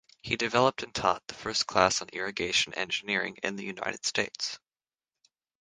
He developed and taught the first class on irrigation engineering in the United States.